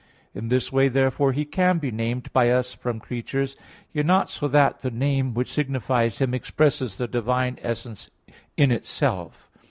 In this way therefore He can be named by us from creatures, yet not so that the name which signifies Him expresses the divine essence in itself.